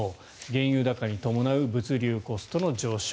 原油高に伴う物流コストの上昇。